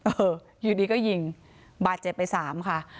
เอออยู่ดีก็ยิงบาดเจ็บไปสามค่ะ